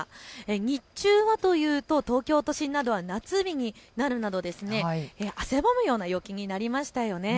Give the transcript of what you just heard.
日中は東京都心などは夏日になるなど汗ばむような陽気になりましたよね。